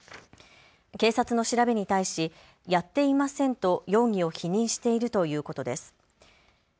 警察の調べに対しやっていませんと容疑を否認しているということです。